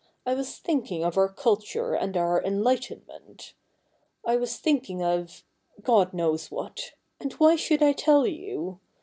I was thinking of our culture and our enlightenment. I was thinking of — God knows what ; and why should I tell you